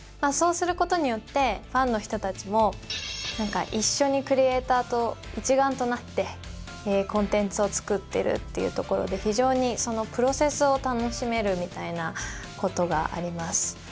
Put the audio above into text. そうすることによってファンの人たちも一緒にクリエーターと一丸となってコンテンツを作ってるっていうところで非常にそのプロセスを楽しめるみたいなことがあります。